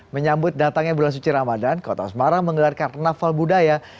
menyambut datangnya bulan suci ramadan kota semarang menggelar karnaval budaya